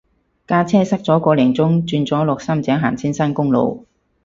架車塞咗個零鐘轉咗落深井行青山公路